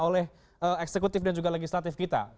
oleh eksekutif dan juga legislatif kita